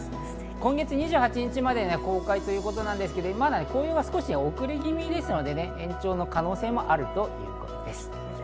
今月２８日まで公開ということですけど、まだ紅葉が遅れ気味ですので、延長の可能性もあるということです。